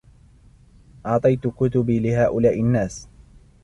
أعطيت كتبي لهؤلاء الناس.